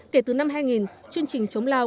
kể từ năm hai nghìn chương trình chống lao